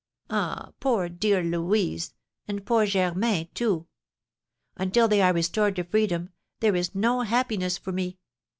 Ah, poor dear Louise and poor Germain, too! Until they are restored to freedom there is no happiness for me!"